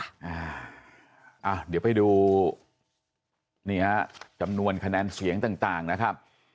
อ่าเดี๋ยวไปดูนี่ฮะจำนวนคะแนนเสียงต่างนะครับ